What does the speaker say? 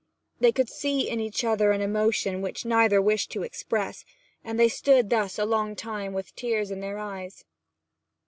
They could see in each other an emotion which neither wished to express, and they stood thus a long time with tears in their eyes.